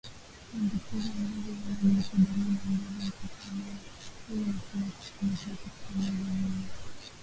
Maambukizi ya ngozi na majipu Dalili ambazo hutokea mara tu unapoacha kutumia heroin